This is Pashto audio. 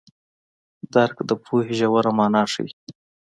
درک د پوهې ژوره مانا ښيي.